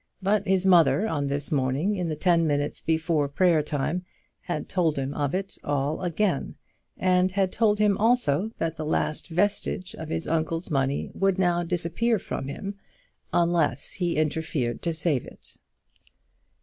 But his mother, on this morning, in the ten minutes before prayer time, had told him of it all again, and had told him also that the last vestige of his uncle's money would now disappear from him unless he interfered to save it.